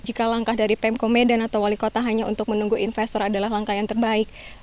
jika langkah dari pemko medan atau wali kota hanya untuk menunggu investor adalah langkah yang terbaik